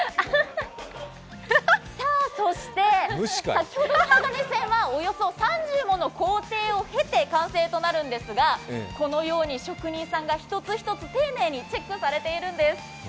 先ほどの鋼線、３０もの工程を経て完成となるんですが、このように職人さんが１つ１つ丁寧にチェックされているんです。